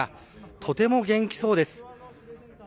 とても元気そうです。